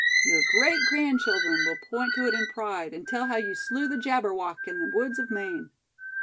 Your great grandchildren will point to it in pride, and tell how you slew the Jabberwock in the woods of Maine."